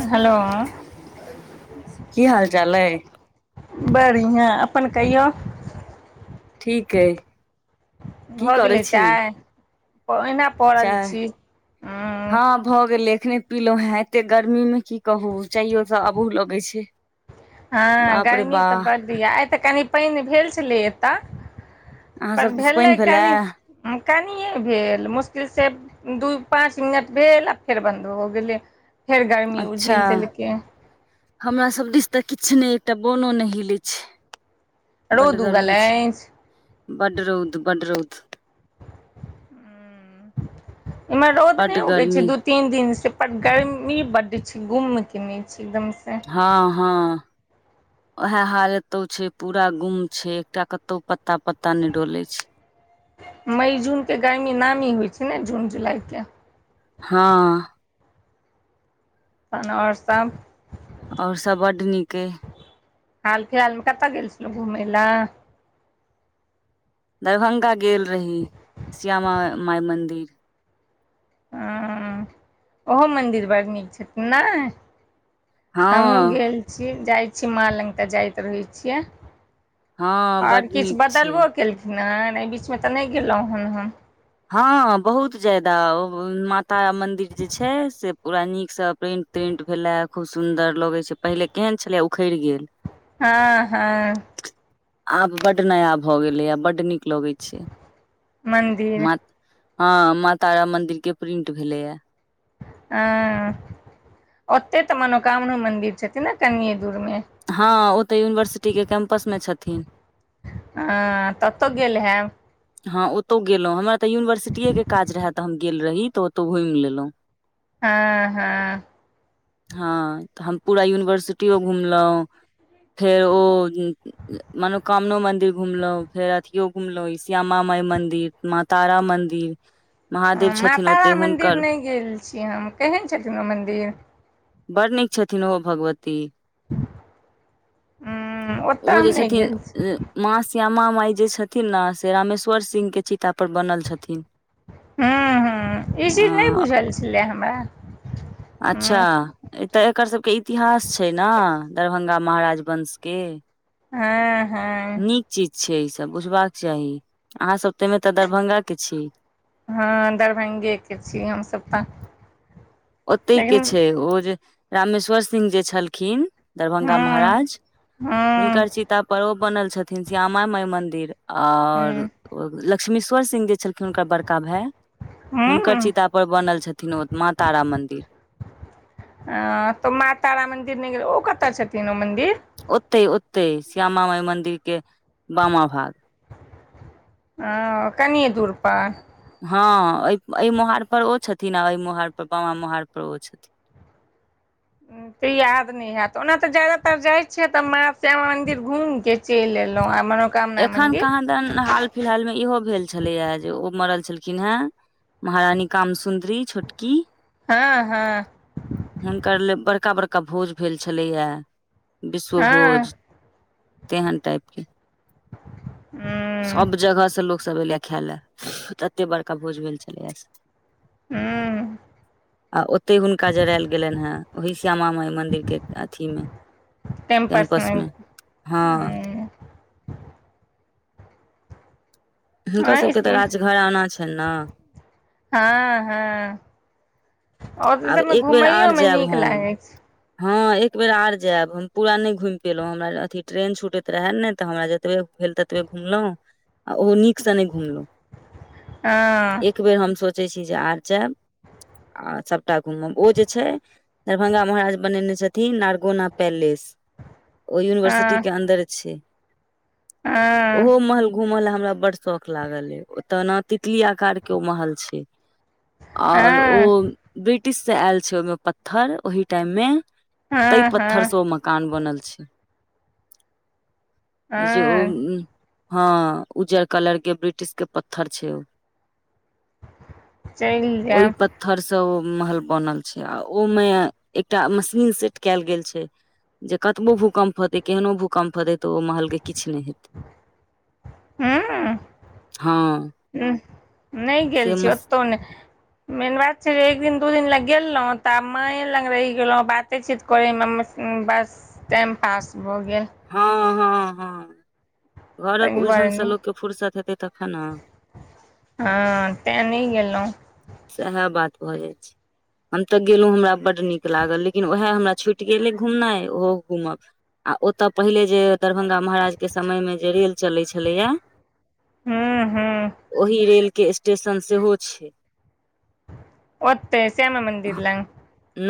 hello की हाल चाल अय बढ़ियाँ अपन कहियौ ठीक अइ की भऽ करै गेलै छी चाय ओहिना पड़ल चाय छी उँ हँ भऽ गेलै एखने पिलहु हें एते गर्मी में की कहू चायो त अबुह लगे छै ह [inaudible] हँ बाप रे गर्मी तऽ बाह बड्ड यए आइ तऽ कनि पानि भेल छलै एतय अहाँ पर सब दिस भेलै पानि भेलए कनि कनिे भेल मुश्किल से दू पाच मिनट भेल आ फेर बन्द भ गेलै फेर गर्मी अच्छा उझिल देलकै हमरा सब दिस तऽ किछु नहि एकटा बोनो नहि हिलै छै बड्ड रौद गर्मी उगल छै अछि बड्ड रौद बड्ड रौद इमहर रौद बड्ड नहि उगे छै गर्मी दू तीन दिन से पर गर्मी बड्ड छै गुम के न छै एकदम से हँ हँ उएह हाल एतौ छै पूरा गुम छै एकटा कतौ पत्ता पत्ता नहि डोले छै मइ जून के गर्मी नामी होइत छै ने जून जुलाइके हाँ तहन आओर सभ आओर सभ बड नीक अइ हाल फिलहालमे कतऽ गेल छल घुमै लए दरभंगा गेल रही श्यामा माइ मन्दिर हँ हुँ -ओहो मन्दिर बड़ नीक छथिन ने हमहूँ हँ गेल छी जाइ छी मां लग तऽ जाइत रहै छियै हँ आओर बड नीक किछु छै बदलबो केलखिन हेँ एहि बीचमे तऽ नहि गेलहुँ हेन हम हँ बहुत जादाा माता मंदिर जे छै से पूरा नीकसँ प्रेंट प्रेंट भेलेआ खूब सुंदर लगे छै पहिले केहन छले उखैड़ गेल हँ हँ आब बड नया भऽ गेलै आ बडड नीक लगै छै मन्द मां तारा मंदिर के प्रिंट भेलेया हँ ओते तऽ मनोकामना मंन्दिर छथिन ने कनिये दूर मे हँ ओ तऽ यूनिवर्सिटीक के कैम्पस मे छथिन हँ त ओतऽ गेल हैब हँ ओतहु गेलहुँ हमरा तऽ यूनिवर्सिटीएके काज रहय तऽ हम गेल रही तऽ ओतहु घुमि लेलहुँ हँ हँ हँ तऽ हम पूरा यूनिवर्सिटियो घुमलहुँ फेर ओ मनोकामना मंदिर घुमलो फेर अथियो घुमलों इस श्यामा माइ मन्दिर माँ तारा मन्दिर हँ माँ तारा मन्दिर नहि गेल छी हम केहन छथिन ओ मन्दिर बड़ नीक छथिन ओ हो भगवती उंम्म ओतऽ ओ हम जे नहि छथिन गेल छी माँ श्यामा माय जे छथिन ने से रमेश्वर सिंह के चीता पर बनल छथिन लै हमरा अच्छा हूँ ए तय एकर सभके इतिहास छै ने दरभंगा महाराज वंशके हँ हँ चीज छै ईसभ बुझबाक चाही अहाँसभ तऽहिमे तऽ दरभंगा के छी हँ दरभंगेके छी हमसभ तऽ ओतहि के लेकिन छै ओ जे रामेश्वर सिंह जे छलखिन दरभंगा हँ महाराज हँ हुनकर चिता पर ओ बनल छथिन श्यामा माई मंन्दिर आर लक्ष्मीश्वर सिंह जे छलखिन हुनकर बड़का भाई हूँ हुनकर हूँ चित ओइ पर बनल छथिन ओ माँ तारा मंदिर ह तऽ माँ तारा मन्दिर नहि गेलै ओ कतय छथिन ओ मन्दिर ओते ओते श्यामा माइ मंन्दिर के बामा भाग ओ कनि दूर‌ पर हँ अइ मोहाड़ पर ओ छथिन आ अइ मोहड़ पर बामा मोहड़ पर ओ छथिन त याद नै हैयत ओना तऽ जादातर जाय छिय तऽ माँ श्यामा मंदिर घूम के चेल एलो आ मर एखन कहाँ दन हाल फिलहालमे इहो भेल छलैए जे ओ मरल छलखिन हेँ महारानी कामसुन्दरी छोटकी हँ हँ हुनकर ले बड़का बड़का भोज भेल छलैए हँ विश्वभोज तेहन टाइप के हूँ सब जगह स लोक सब एलैया खाय ले एते बड़का भोज भेल छलैया हू आ ओते हुनका जरैल केनहै वहि श्यामा माई मंदिर के अथी मे कैंप्स कैम्पसमे में हँ हूँ हुनका हँ इस सबके तऽ राज घराना छै न हँ हँ ओ आब सभमे एक बेर आर घुमैयो मे जायब नीक हम लागै छै हँ एक बेेर आर जायब हम पूरा नहि घुमि पियलहुँं हमरा अथी ट्रेन छुटैत रहए ने तऽ हमरा जतबे भेल तत बे घुमलो ओहो नीक सँ नहि घुमलहु हँ एक बेर हम सोचै छी जे आर जायब आ सब टा घुमब ओ जे छै दरभंगा महाराज बनेने छथिन नारगौना पैलेस ओ यूनिवर्सिटी हँ के अन्दर छै हँ ओहो महल घूम ले हमरा बड शौक लागल ऐ ओतता न तितलिया प्रकार के ओ महल छै आओर ओ हँ ब्रिटिश स आयल छै ओइमे पत्थर ओहि टाइम में ते हँ पत्थर से ओ हँ मे कान बनल छै जे ओ हँ उ हँ उज्जर कलर के ब्रिटिश के पत्थर छै ओ चलि ओहि जायब पत्थर स से ओ महल बनल छै आ ओमे एकटा मशीन सेट कयल गेल छै जे कतबो भूकम्प हेतै केहनो भूकम्प हेतै तऽ ओ महलके किछ नहि हेतै ह हँ ह नहि गेल से छी मस ओतो नै मेन बात छै जे एक दिन दू दिन लै गेलो तऽ माँए लग रहि गेलहुँ बाते चीत करै मे म्म बस टाइम पास भऽ गेल हँ हँ हँ घरक ताहि उलझन दुआरे से नहि लोकके फुर्सत हेतै तखन हँ ते नै गेलहुँ सएह बात भऽ जाइ छै हम तऽ गेलहुँं हमरा बड्ड नीक लागल लेकिन ओएह हमरा छुटि गेलै घूमनाइ ओहो घूमब आ ओतअ पहिले जे दरभंगा महाराज के समय मे जे रेल चलैय छलैए हूँ हूँ ओहि रेल के स्टेशन सेहो छै ओते श्यामा मन्दिर लग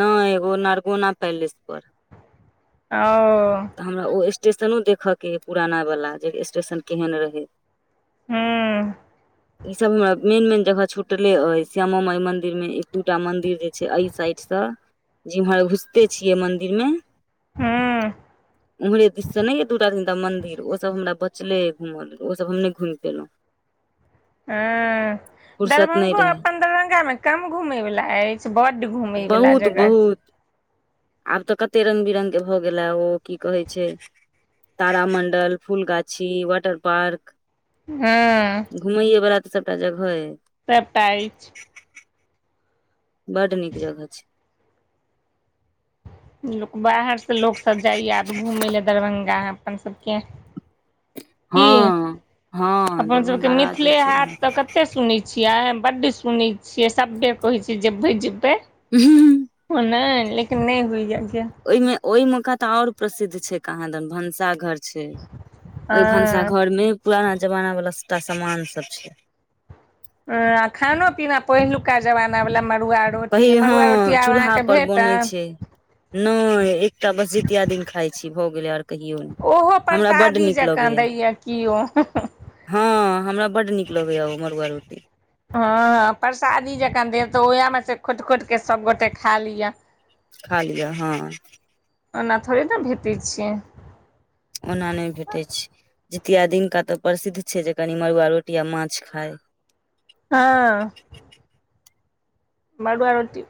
नइ ओ नरगौना पैलेस पर ओ तऽ हमरा ओ स्टेशनो देखऽके यइ पुराना वला जे स्टेशन केहन रहै हूँ ई सब हमरा मेन मेन जगह छुटले अछि श्यामा माई मंदिर मे एक दूटा मंदिर जे छै अय साइड स जिम्हर घूस के छियै मन्दिरमे हूँ ओम्हरे दिससँ नहि ने यऽ दू टा तीनटा मंन्दिर ओसभ हमरा बचले य घूमय लेल ओसभ हम नहि घुमि पे अयलहुँ हँ फुर्सत नहि -दरभङ्ंगो रहै अपन्दरभङ्गामे कम घूमे वला अछि बड्ड घूमे वला बहुत जगह बहुत आब तऽ कते रंग बिरंगग के भऽ गेलै ओ की कहै छै तारा मण्डल फूलगाछी वाटर पार्क हँ घुमैये बला तऽ सभटा जगह हइ सभटा अछि बड नीक जगह छै लोक बाहर से लोक सब जाइया आब घूमय लए दरभंगा अपन सबके की हँ हँ अपन सबके दरभंगा राज जे मिथिले हाट तऽ कते सुने छिअ बड्ड सुनै छियै सभे कहै छ जबै जेबै हुँ हुंम ओ नहि लेकिन नहि होइया गे ओहिमे ओहि मौका तऽ और प्रसिद्ध छै कहाँ दन भनसाघर छै हँ ओहि भनसा घर मे पुराना जमाना वालला सबटा सामान सब छै अ खानो पीना पहिलुका जबाना वला मरुआ कही हँ चूल्हा पर बनै छै नहि एकटा बस जितिया दिन खाइ छी भऽ गेलै आर कहियौ ओहो नहि हमरा बड्ड परसादी नीक जकाँ लगैया दैया किओ हँ हमरा बड्ड नीक लगैएा उ मरुआ रोटी हँ हँ परसादी जखन देब तऽ उएहमे से खोँट खोँट कऽ सभगोटे खा लिअ खा लिअ हँ ओना थोड़े ने भेटै छै ओना नहि भेटैत छै जितिया दिनका तऽ प्रसिद्ध छै जे कनि मड़ुआ रोटी आ माछ खाइ हँ मड़ुआ रोटी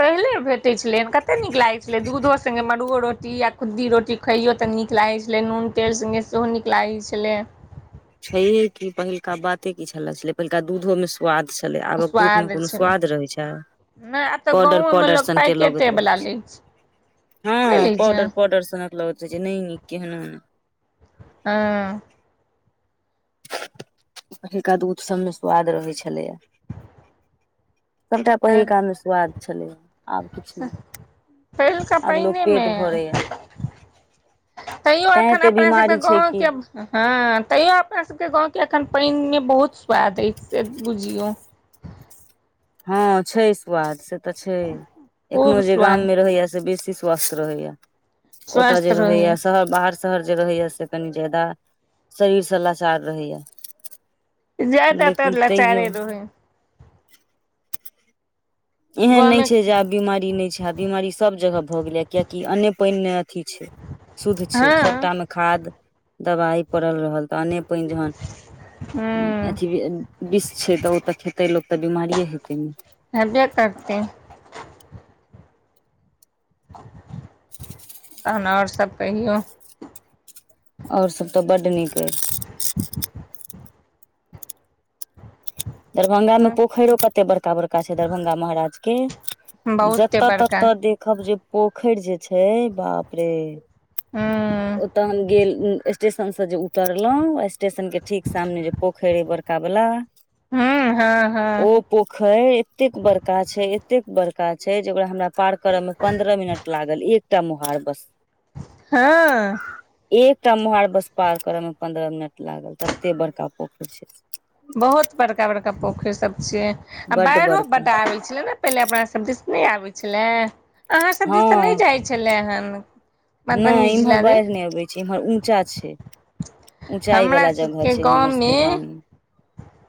पहिले भेटैत छलै कते नीक लागैत छलै दूधो सङ् मड़ ओ रोटी या खुद्दी रोटी खइयो तऽ नीक लागै छलै नून तेल सङ्गे सेहो नीक लागै छलै छैे कि पहिलका बाते की छल छलै पहिलका दूधो मे स्वाद छलै आबक दूध मे स्वाद कोनो छलै स्वाद रहैत छै नहि आब तऽ पाउडर गाँवोमे पाउडर लोक सनके पैकेटे लगैत वला रहै छै लै हँ नहि लै छै पाउडर पाउडर सनक लगय छै नय नीक केहनो हँ पहिलका दुध समे स्वाद रहैत छलैया सभटा तऽ पहिलकामे स्वाद छलै आब किछु नहि पहिलका आब लोक पहिनेमे पेट भरैया तैयो तैं अखन एते अपना सबके बीमारी छै गाँवके कि हँ तैयो अपना सबके गाँवके एखन पानिमे बहुत स्वाद अछि से बुझियौ हँ छै स्वाद से तऽ छै एखनो खूब जे स्वाद गाममे रहैया से बेसी स्वस्थ रहैया ओत स्वस्थ जे रहैया रहै शहर बाहर शहर जे रहैया से कनी ज्यादा शरीर से लाचार रहैया लेकिन जादातर तैयो लाचारे रहै एहन नहि गाँवमे छै जे आब बिमारी नहि छै आब बिमारी सभ जगह भऽ गेलै कियकि अन्ने पानि न अथी छै शुद्ध छै हँ सबटा मे खाद दबाइ पड़ल रहल तहने पनि जहन हूँ अथी भी बिष छै तऽ ओ तऽ खेतै लोक तऽ बिमारिए हेतै ने हबे करतै तहन आओर सब कहियौ आओर सब तऽ बड्ड नीक अइ दरभंगा मे पोखइरो कते बड़का बड़का छै दरभंगा महाराज के बहुते जत बड़का तत देखब जे पोखरि जे छै बाप रे ह्म ओ तह हम गेल स्टेशन से जे उतरलहुं स्टेशन के ठीक सामने जे पोखरि अई बड़ का बला ह्म हँ हँ पोखरि एतेक बड़का छै एतेक बड़का छै जे ओकरा हमरा पार करअ में पन्द्रह मिनट लागल एकटा मोहार बस हँ एकटा मोहार बस पार कर में पन्द्रह मिनट लागल तत्ते बड़का पोखरि छै से बहत बड़का बड़का पोखरि सब छै आ बड्ड बाइरो बड़का बड्ड आबैे छलै नै पहिले अपना सब दिस नहि आबै छलै अहाँ सब हँ दिस तऽ नहि जाइ छलै हन मधुबनी नहि इम्हर जिला मे बाढ़ि नहि अबै छै इम्हर ऊँचा छै ऊँचाई हमरा वाला जगह सबके छै हमर सबके गाम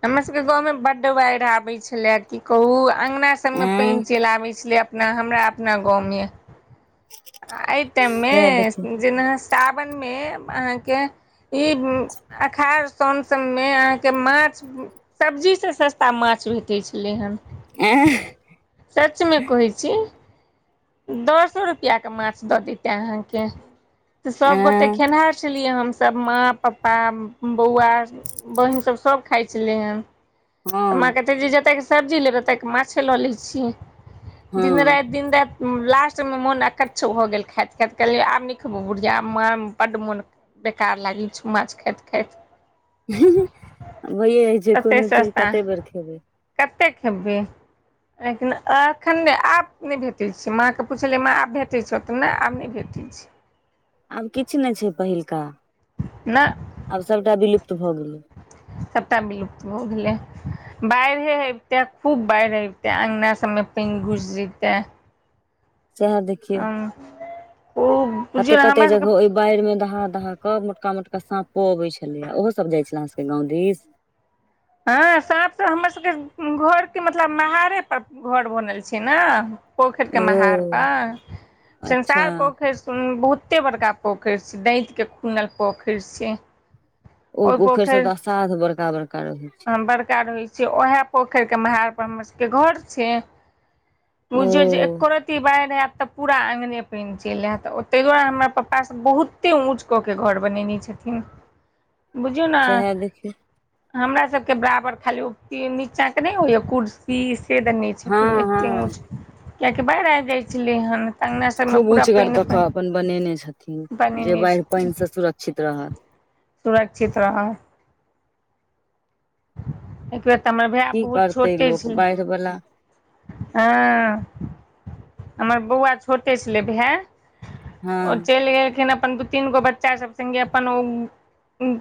हमर सबके गाँवमे बड्ड बाढ़ि आबै छलै की कहू अंगना सबमे पानि एं चलि आबैत छलैया ना हमरा अपना गाँवमे आ अय टाइम मे सएह देखियौ जेना सावनमे अहाँके ई अखार सउन सबमे अहाँ के माछ सब्जी सँ सस्ता माछ भेटै छलै हन ऐह सच मे कहै छी दसो रुपया के माछ द दितै अहाँके सबगोटे एं खेनहार छलियै हम सब माँ पप्पा बौआ बहिन सब सब खाइ छलै हन माँ हँ कहते जे जतयके सब्जी लेबै ओतयके माछे लऽ लै छि दिन हँ राति दिन राति लास्टमे मोन अकच्छ भ गेल खाइत खाइत कहलियै आब नहि खेबौ बुढ़िआ आ आम बड मोन बेकार लागै छो माछ खाइत खाइत भइये जइ छै कोनो चीज कते बेर खेबै कतेक खेबै लेकिन एखन आब नै भेटैत छै माँके पुछलियै माँ आब भेटै छै तऽ नहि आब नै भेटै छै आब किछ नै छै पहिलका ना आब सबटा बिलुप्त भ गेलै सबटा बिलुप्त भ गेलै बाइरहे हबतै खूब बाइरहे अबितै अंगना सब मे पइन घुस जेतै सैहै देख अह ओह कते कते जगह ओइ बाढ़ि मे दहा दहा क मोटका मोटका साँपो अबै छलै ओहो सब जाइ छलै आहाँ सबके गांम दिस हँ साप त हमर सबके घरके मतलब महारे पर घर बनल छै ने पोखर के महार ओ पर अच्छा संंसार पोखरि बहुते बड़का पोखरि छै दैत के खुनल पोखरि छै ओ पोखरि सब तऽ असाध बड़का बड़का रहै छै बड़का रहै छै उएहे पोखरि के महार पर हमर सबके घर छै ओ बुझियो जे एको रती बाढ़ि आयत तऽ पूरा अँ्गने पानि चलि आयत ताहि दुआरे हमरा पप्पा सब बहुत एते ऊँच कऽ के घर बनेने छथिन बुझियौ ने सएहे देखी हमरा सब के बराबर खाली उक्ति नीच्चा के नहि हो या कुर्सी से दने हँ छथिन एते हँ ऊँच कियकि बाढ़ि आब जाइ छलै हन तऽ अंगना सबमे खूब पूरा ऊँचगर पानि कऽ केऽ अपन बनेने छथिन जे बनेने बाढ़ि छथिन पानि से सुरक्षित रहत सुरक्षित रह एक बेर तऽ हमर भाय बहुत छोटे छै बला हँ हमर बौआ छोटे छले भाय ओ हँ चलि गेलखिन अपन तीन गो बच्चा सब संगे अपन ओ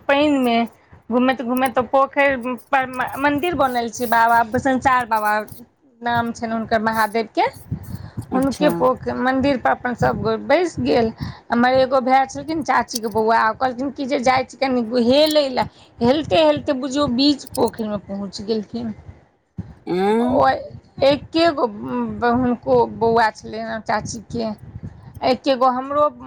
पानि मे घूमैत घूमैत पोखरि पर मंदिर बनल छै बाबा संनचार बाबा नाम छनि हुनकर महादेव के हुनके अच्छा पोख मंदिर पर अपन सब कोइ बैस गेल हमर एगो भाय छलखिन चाची के बौआ कहथिन कि जे जाइ छै कनि हेलै लए हेलते हेलते बुझियौ बीच पोखरिमे पहुँच गेलखिन एं ओ एक्के गो हुनको बौआ छलैँ हन चाचीके एकेगो हमरो